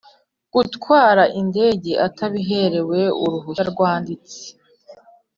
gutwara indege atabiherewe uruhushya rwanditse